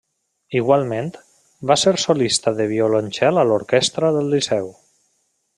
Igualment, va ser solista de violoncel a l'orquestra del Liceu.